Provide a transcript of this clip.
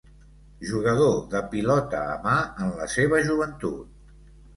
Jugador de pilota a mà en la seva joventut.